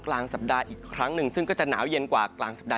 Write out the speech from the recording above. กลางสัปดาห์อีกครั้งหนึ่งซึ่งก็จะหนาวเย็นกว่ากลางสัปดาห